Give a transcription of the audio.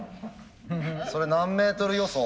それ何メートル予想？